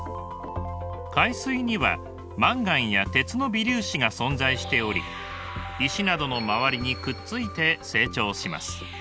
海水にはマンガンや鉄の微粒子が存在しており石などの周りにくっついて成長します。